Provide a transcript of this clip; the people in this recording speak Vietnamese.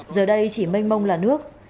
giờ đây chỉ mênh mông là nước